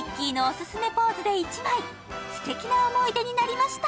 すてきな思い出になりました。